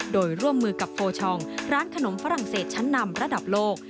โดยร่วมมือกับโฟชองร้านขนมฝรั่งเศสชั้นนำระดับโลก